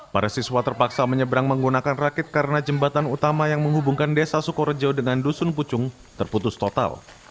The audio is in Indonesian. para siswa terpaksa menyeberang menggunakan rakit karena jembatan utama yang menghubungkan desa sukorejo dengan dusun pucung terputus total